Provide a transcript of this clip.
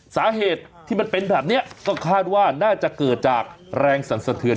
สาเหตุที่มันเป็นแบบนี้ก็คาดว่าน่าจะเกิดจากแรงสรรสะเทือน